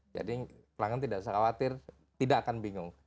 jadi pelanggan tidak usah khawatir tidak akan bingung